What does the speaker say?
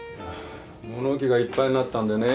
物置がいっぱいになったんでね